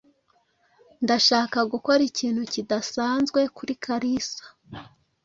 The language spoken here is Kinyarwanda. Ndashaka gukora ikintu kidasanzwe kuri Kalisa.